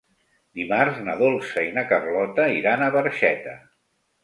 Dimarts na Dolça i na Carlota iran a Barxeta.